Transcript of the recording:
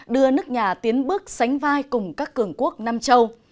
đưa nước nhà tiến bước sánh vai cùng các cường quốc nam châu